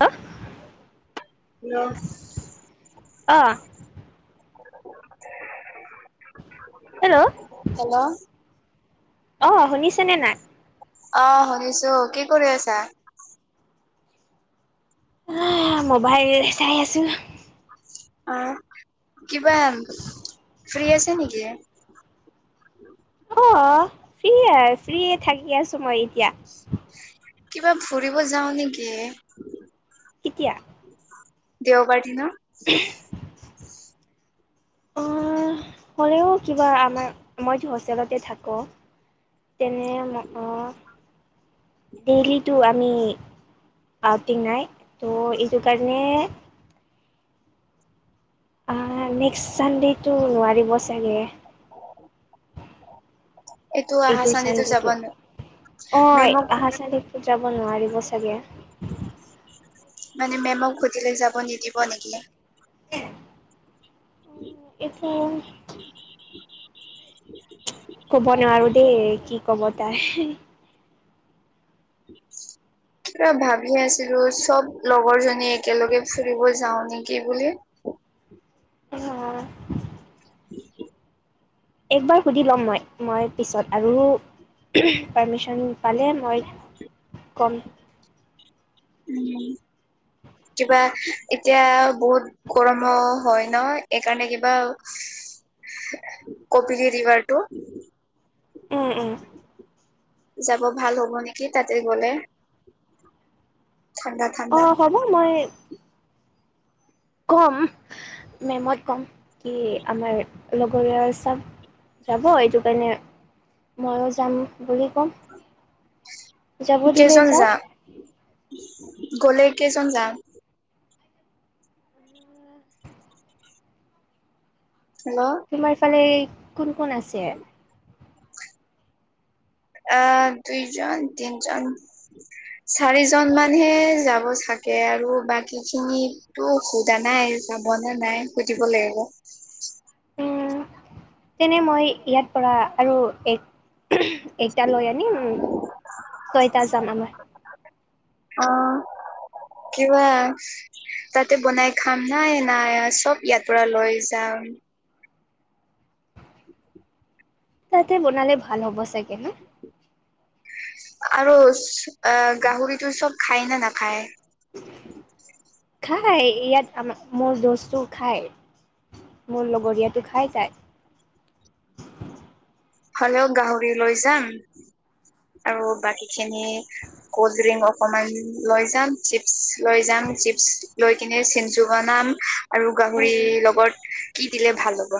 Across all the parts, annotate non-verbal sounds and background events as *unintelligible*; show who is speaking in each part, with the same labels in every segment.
Speaker 1: Hello
Speaker 2: *unintelligible*
Speaker 1: অ'।
Speaker 2: *inaudible*
Speaker 1: Hello?
Speaker 2: Hello?
Speaker 1: অ', শুনিছেনে নাই?
Speaker 2: অ', শুনিছোঁ, কি কৰি আছা?
Speaker 1: অ', মোবাইল চাই আছোঁ।
Speaker 2: অ', কিবা ফ্ৰী আছে নেকি‌?
Speaker 1: অ', ফ্ৰ হয়, ফ্ৰেয়ে থাকি আছোঁ মই এতিয়া।
Speaker 2: কিবা ফুৰিব যাওঁ নেকি?
Speaker 1: কেতিয়া?
Speaker 2: দেওবাৰ দিনত।
Speaker 1: উ *unintelligible*
Speaker 2: *inaudible*
Speaker 1: হ'লেও কিবা আমাৰ, মইতো হোষ্টেলতে থাকোঁ। তেনে অ', ডেইলীটো আমি আউটিং নাই, তো এইটো কাৰণে আহ, নেক্সট চানডেটো নোৱাৰিব চাগে।
Speaker 2: এইটো অহা
Speaker 1: এইটোৰ
Speaker 2: যাব
Speaker 1: চানডেটো,
Speaker 2: ন
Speaker 1: অ',
Speaker 2: মেমক
Speaker 1: আহা চানডেটো যাব নোৱাৰিব চাগে।
Speaker 2: মানে মেমক সুধিলে যাব নিদিব নেকি?
Speaker 1: *inaudible* এইটো ক'ব নোৱাৰোঁ দেই, কি ক'ব তাই।
Speaker 2: *inaudible* কিবা ভাবি আছিলোঁ, চব লগৰ জনী একেলগে ফুৰিব যাও নেকি বুলি‌।
Speaker 1: অ'। একবাৰ সুধি ল'ম মই, মই পিছত আৰু পাৰ্মিশ্যন পালে মই কম।
Speaker 2: উম, কিবা এতিয়া বহুত গৰমো হয় ন' এইকাৰণে কিবা কপিলী ৰিভাৰটো
Speaker 1: উম
Speaker 2: যাব ভাল হ'ব নেকি? তাতে গ'লে। ঠাণ্ডা ঠাণ্ডা
Speaker 1: অ' হ'ব মই কম মেমত কম কি আমাৰ লগৰ চব যাব, এইটো কাৰণে ময়ো যাম বুলি ক'ম। যাব দিলে
Speaker 2: কেইজন
Speaker 1: যাওক
Speaker 2: যাম? গ'লে কেইজন যাম? হেল্ল'
Speaker 1: তোমাৰফালে কোন কোন আছে?
Speaker 2: আ দুইজন তিনজন চাৰিজন মানহে যাব চাগে আৰু বাকীখিনি সেইটো সোদা নাই, যাব নে নাই সুদিব লাগিব।
Speaker 1: উম, তেনে মই ইয়াৰ পৰা আৰু এক *unintelligible* লৈ উম ছয়টা যাম আমাৰ।
Speaker 2: অ', কিবা তাতে বনাই খাম না নাই চব ইয়াৰ পৰা লৈ যাম? *inaudible*
Speaker 1: তাতে বনালে ভাল হ'ব চাগে ন'?
Speaker 2: আৰু আ গাহৰিটো চব খাই নে নাখাই?
Speaker 1: খাই, ইয়াত আমাৰ মোৰ দোষ্টটো খায়। মোৰ লগৰীয়াতো খাই তাই।
Speaker 2: হ'লেও গাহৰি লৈ যাম আৰু বাকীখিনি কল্ড ড্ৰিংক অকণমান লৈ যাম, চিপছ লৈ যাম, চিপছ লৈ কিনি চিনজো বনাম, আৰু
Speaker 1: উম
Speaker 2: গাহৰি লগত কি দিলে ভাল হ'ব?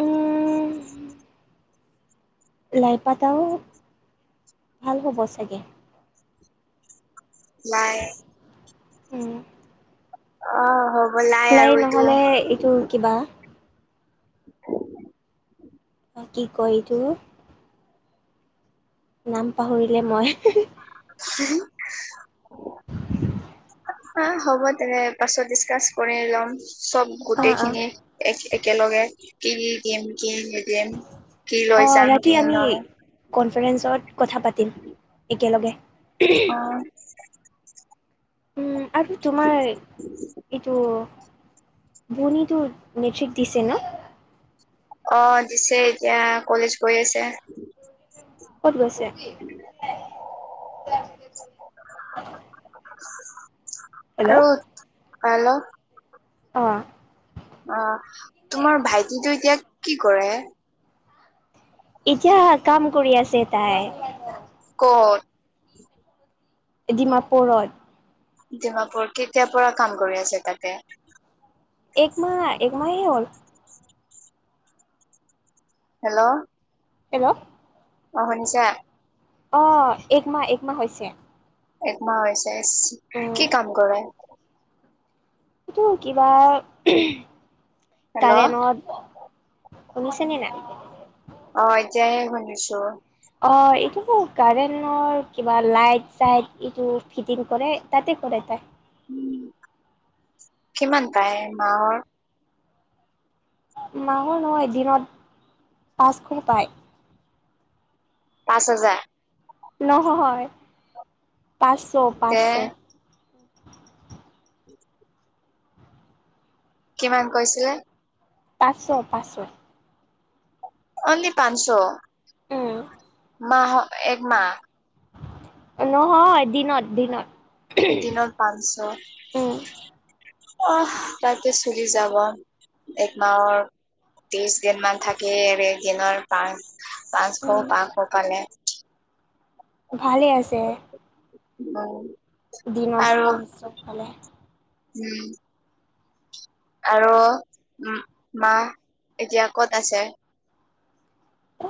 Speaker 1: উম উম কেইবাটাও হ'ব চাগে।
Speaker 2: লাই
Speaker 1: উম।
Speaker 2: অহ, হ
Speaker 1: লাই নহ'লে, এইটো কিবা
Speaker 2: *inaudible*
Speaker 1: কি কয় এইটো নাম পাহৰিলে মই
Speaker 2: *inaudible* অ' হ'ব দে পাছত ডিচকাচ কৰি লম, চব
Speaker 1: অ অ
Speaker 2: গোটেইখিনি, এক একেলগে কি কি দিম, কি নিদিম। *unintelligible*
Speaker 1: কনফাৰেন্সেত কথা পাতিম একেলগে।
Speaker 2: *inaudible*
Speaker 1: উম আৰু তোমাৰ এইটো ভনীটো মেট্ৰিক দিছে ন'?
Speaker 2: অ দিছে এতিয়া কলেজ গৈ আছে।
Speaker 1: ক'ত গৈছে?
Speaker 2: *inaudible* আৰু
Speaker 1: হেল্ল'
Speaker 2: হেল্ল'
Speaker 1: অ।
Speaker 2: অ তোমাৰ ভাইটিতো এতিয়া কি কৰে?
Speaker 1: এতিয়া কাম কৰি আছে তাই। *inaudible*
Speaker 2: ক'ত?
Speaker 1: দিমাপুৰত।
Speaker 2: দিমাপুৰত, কেতিয়াৰ পৰা কাম কৰি আছে তাতে?
Speaker 1: এক মাহ এক মাহে হ'ল।
Speaker 2: হেল্ল'
Speaker 1: হেল্ল'
Speaker 2: অ শুনিছা?
Speaker 1: অ এক মাহ এক মাহ হৈছে।
Speaker 2: একমাহ হৈছে ইচ্
Speaker 1: উম
Speaker 2: কি কাম কৰে?
Speaker 1: এইটো কিবা
Speaker 2: হেল্ল'
Speaker 1: কাৰেণ্টত শুনিছানে না?
Speaker 2: অ এতিয়াহে শুনিছো।
Speaker 1: অ এইটো কাৰেণৰ কিবা লাইট চাইট এইটো ফিটিং কৰে তাতে কৰে তাই।
Speaker 2: উ কিমান পায় মাহৰ?
Speaker 1: মাহৰ নহয়, দিনত পাঁচশ পায়।
Speaker 2: পাঁচ হাজাৰ।
Speaker 1: নহয় পাঁচশ,
Speaker 2: তে
Speaker 1: পাঁচশ।
Speaker 2: *inaudible* কিমান কৈছিলে?
Speaker 1: পাঁচশ, পাঁচশ।
Speaker 2: অনলি পাঁচশ
Speaker 1: উম।
Speaker 2: মা'হ এক মাহ।
Speaker 1: নহয় দিনত দিনত।
Speaker 2: দিনত পাঁচশ।
Speaker 1: উম।
Speaker 2: আ তাতে চুলি যাব, একমাহৰ ত্ৰিশ দিন মান থাকি দিনৰ পাচ
Speaker 1: উম
Speaker 2: পাঁচশ পাঁচশ পালে।
Speaker 1: ভালে আছে।
Speaker 2: নও।
Speaker 1: দিনত পাঁচশ পালে
Speaker 2: উম। আৰু উম মা এতিয়া ক'ত আছে?
Speaker 1: এ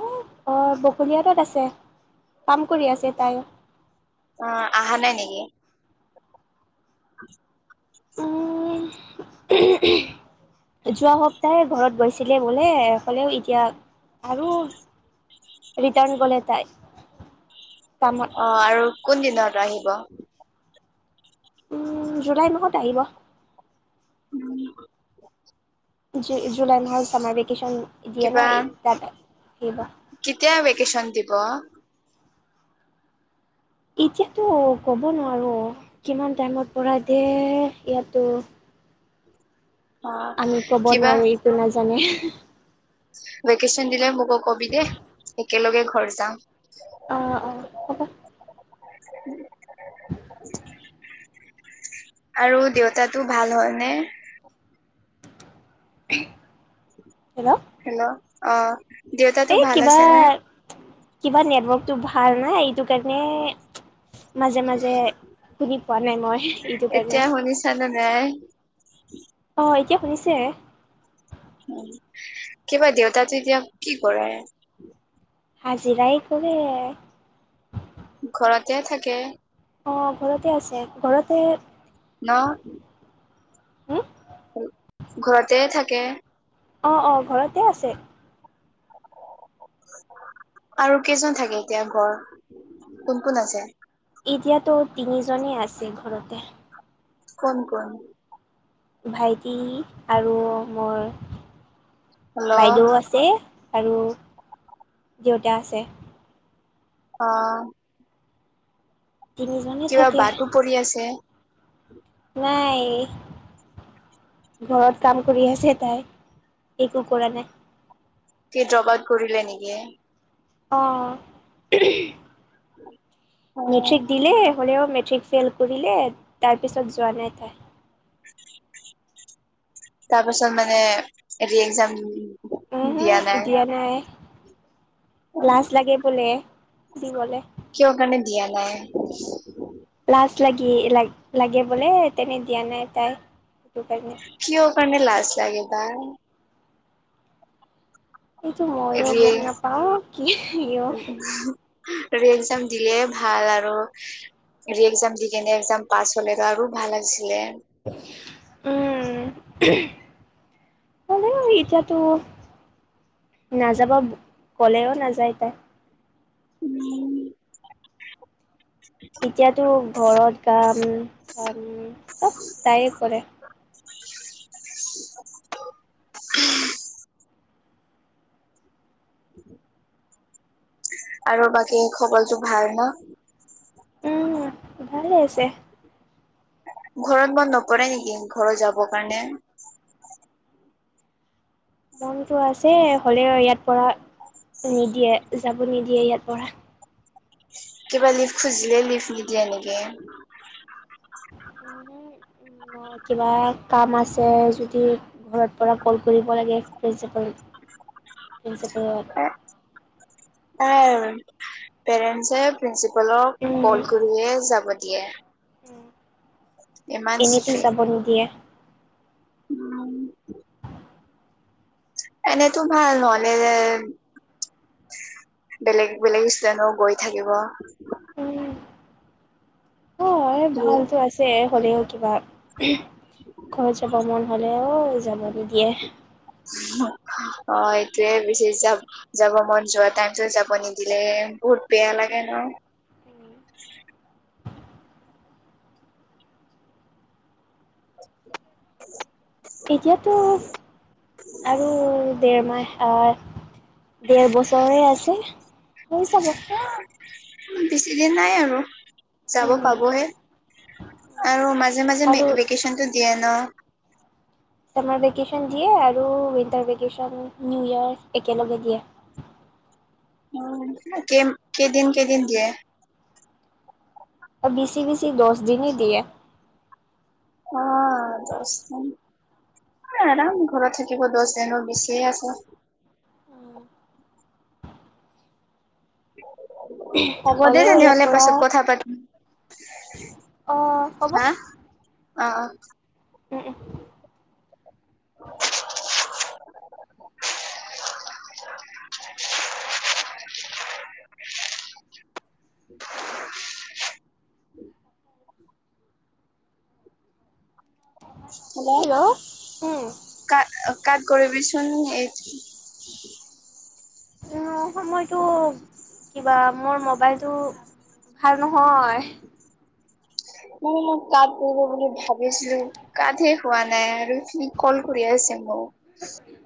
Speaker 1: অ বকলিয়াঘাটত আছে কাম কৰি আছে, তাই।
Speaker 2: অ অহা নাই নেকি? *inaudible*
Speaker 1: উম
Speaker 2: *inaudible*
Speaker 1: *unintelligible* যোৱা সপ্তাহে ঘৰত গৈছিলে বোলে ক'লেও এতিয়া, আৰু ৰিটাৰ্ণ গ'লে তাই, কামত।
Speaker 2: অঁ, আৰু কোন দিনত আহিব?
Speaker 1: উম, জুলাই মাহত আহিব।
Speaker 2: উম।
Speaker 1: জু -জুলাই মাহত ছামাৰ ভেকেশ্যন দিয়ে
Speaker 2: কিবা
Speaker 1: ন, তাত আহিব।
Speaker 2: কেতিয়া ভেকেশ্যন দিব?
Speaker 1: এতিয়াতো ক'ব নোৱাৰো কিমান টাইমত পৰাই দে ইয়াতো!
Speaker 2: অ
Speaker 1: আমি কব
Speaker 2: কিবা
Speaker 1: নোৱাৰো, এইটো নাজানে।
Speaker 2: ভেকেশ্যচন দিলে মোকো কবি দে একেলগে ঘৰ যাম।
Speaker 1: অঁ, অঁ, হ'ব।
Speaker 2: উম। আৰু দেউতাটো ভাল হল নে?
Speaker 1: হেল্ল।
Speaker 2: হেল্ল', অঁ।
Speaker 1: এই কিবা কিবা নেটৱৰ্কটো ভাল নাই এইটো কাৰণে- মাজে মাজে শুনি পোৱা নাই মই এইটো কাৰণে।
Speaker 2: জানা নাই?
Speaker 1: অঁ, এতিয়া শুনিছে।
Speaker 2: উম, কিবা দেউতাতো এতিয়া কি কৰে?
Speaker 1: হাজিৰাই কৰে।
Speaker 2: ঘৰতে থাকে।
Speaker 1: অঁ, ঘৰতে আছে ঘৰতে।
Speaker 2: ন!
Speaker 1: হম?
Speaker 2: ঘৰতে থাকে?
Speaker 1: অঁ, অঁ, ঘৰতে আছে।
Speaker 2: আৰু কেইজন থাকে এতিয়া ঘৰত, কোন কোন আছে?
Speaker 1: এতিয়াতো তিনিজনেই আছে ঘৰতে।
Speaker 2: কোন, কোন?
Speaker 1: ভাইটি আৰু মই,
Speaker 2: হেল্ল'
Speaker 1: বাইদেউ - আছে আৰু দেউতা আছে।
Speaker 2: অঁ।
Speaker 1: তিনিজনে
Speaker 2: কিবা
Speaker 1: থাকে
Speaker 2: বাটো পৰি আছে?
Speaker 1: নাই। ঘৰত কাম কৰি আছে তাই, একো কৰা নাই।
Speaker 2: কি ড্ৰপ আউট কৰিলে নেকি?
Speaker 1: অঁ।
Speaker 2: অ
Speaker 1: মেট্ৰিক দিলে, হ'লেও মেট্ৰিক ফেইল কৰিলে তাৰপিছত যোৱা নাই তাই।
Speaker 2: উম। তাৰ পাছত মানে এৰি এক্সাম-
Speaker 1: উম হো দিয়া নাই, লাজ লাগে বোলে দিবলে।
Speaker 2: কিহৰ কাৰণে দিয়া নাই?
Speaker 1: লাজ লাগে লা- লাগে বোলে তেনে দিয়া নাই তাই সেইটো কাৰণে।
Speaker 2: কিহৰ কাৰণে লাজ লাগে বা?
Speaker 1: এইটো মইয়ো
Speaker 2: ৰি
Speaker 1: গম নাপাওঁ কি -
Speaker 2: *unintelligible* দিলে ভাল আৰু। বি এ এক্সাম দি কিনে এক্সাম পাছ হ'লে আৰু ভাল আছিলে।
Speaker 1: উম। কলেও এতিয়াতো নাযাবা কলেও নাযায় তাই।
Speaker 2: উম।
Speaker 1: এতিয়াতো ঘৰত কাম চাম চ'ব তাইয়ে কৰে।
Speaker 2: আৰু বাকী খবৰটো ভাল ন।
Speaker 1: উম, ভালেই আছে।
Speaker 2: ঘৰত মন নকৰে নেকি, ঘৰত যাবৰ কাৰণে।
Speaker 1: মনটো আছে হ'লেও ইয়াৰ পৰা নিদিয়ে, যাব নিদিয়ে ইয়াৰ পৰা।
Speaker 2: কিবা লিভ খুজিলে লিভ নিদিয়ে এনেকে। *unintelligible*
Speaker 1: কিবা কাম আছে যদি ঘৰৰ পৰা ক'ল কৰিব লাগে। প্ৰিন্সিপালত
Speaker 2: হে তাই পেৰেন্টচ প্ৰিন্সিপালক ক'ল
Speaker 1: উম,
Speaker 2: কৰিয়ে যাব দিয়ে। ইমান
Speaker 1: এনেতো
Speaker 2: ষ্ট্ৰিক্ট।
Speaker 1: যাব নিদিয়ে।
Speaker 2: উম। এনেতো ভাল নহ'লে যে বেলেগ বেলেগ ইষ্টাইলো কৰি থাকিব।
Speaker 1: উম। এই ভালটো আছে, হ'লেও কিবা ঘৰত যাব মন হ'লেও অ' যাব নিদিয়ে।
Speaker 2: অ' এতিয়াই গুছি যাম। যাব মন যোৱা টাইমত যাব নিদিলে বহুত বেয়া লাগে ন। *unintelligible*
Speaker 1: এতিয়াতো আৰু দেৰ মাহ আহ দেৰ বছৰে আছে। হৈ যাব।
Speaker 2: অ' বেছিদিন নাই আৰু যাব
Speaker 1: উম,
Speaker 2: পাবয়ে। আৰু মাজে মাজে
Speaker 1: আৰু
Speaker 2: ভেকেশচন টো দিয়ে ন।
Speaker 1: চামাৰ ভেকেশ্যন দিয়ে আৰু উইণ্টাৰ ভেকেশ্যন নিউ ইয়েৰ একেলগে দিয়ে।
Speaker 2: উম, কেই কেইদিন কেইদিন দিয়ে।
Speaker 1: অ' বিচি বিচি দহ দিনে দিয়ে।
Speaker 2: অ' দশ দিন। আৰাম ঘৰত থাকিব দহ দিনৰ বিচিয়ে আছে। হ'ব দে
Speaker 1: হ'লেও ইয়াৰ
Speaker 2: তেনেহ'লে
Speaker 1: পৰা
Speaker 2: পাছত কথা পাতিম।
Speaker 1: অ'
Speaker 2: হা
Speaker 1: ক'বৰ
Speaker 2: অ' অ'
Speaker 1: উম, উম।
Speaker 2: হেল্ল' কাক কাক কৰিবিচোন এই
Speaker 1: উম, সময়টো কিবা মোৰ মোবাইলতটো ভাল নহয়।
Speaker 2: ও কাক ক'ৰ গৈ বুলি ভাবিছিলোঁ। গা ধুই খোৱা নাই, আৰু সি ক'ল কৰি আছে মোক
Speaker 1: *unintelligible*